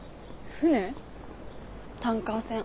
タンカー船。